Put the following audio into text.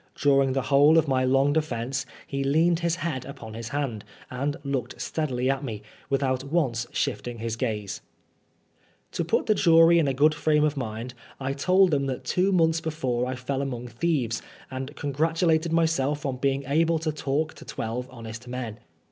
During the whole of my long defence he leaned his head upon his hand, and looked steadily at me, without once shifting his gaze. To put the jury in a good frame of mind I told them that two months before I fell among thieves, and con gratulated myself on being able to talk to twelve honest men.